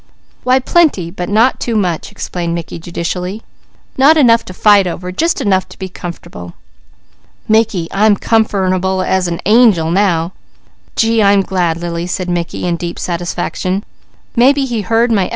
"Why plenty, but not too much!" explained Mickey judicially. "Not enough to fight over! Just enough to be comfortable." "Mickey, I'm comf'rable as nangel now." "Gee, I'm glad, Lily," said Mickey in deep satisfaction. "Maybe He heard my S.